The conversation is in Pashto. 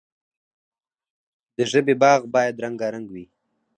د ژبې باغ باید رنګارنګ وي.